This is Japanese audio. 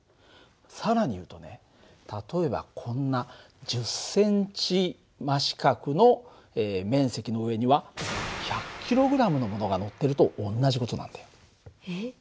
更に言うとね例えばこんな１０センチ真四角の面積の上には１００ｋｇのものがのってると同じ事なんだよ。えっ？